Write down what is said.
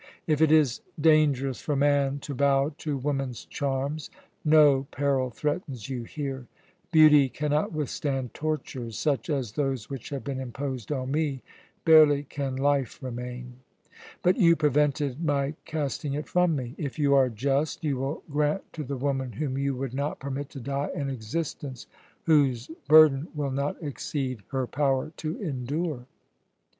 If it is dangerous for man to bow to woman's charms, no peril threatens you here. Beauty cannot withstand tortures such as those which have been imposed on me barely can life remain. But you prevented my casting it from me. If you are just, you will grant to the woman whom you would not permit to die an existence whose burden will not exceed her power to endure."